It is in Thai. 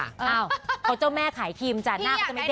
อ้าวเจ้าแม่ขายครีมจานหน้าเขาจะไม่เด้งได้ไง